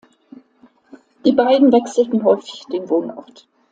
Die beiden wechselten häufig den Wohnort.